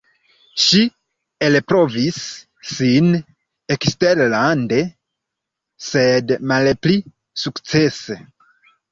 Ŝi elprovis sin eksterlande, sed malpli sukcese.